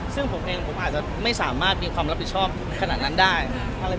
ซึ่งผมเองผมอาจจะไม่สามารถมีความรับผิดชอบขนาดนั้นได้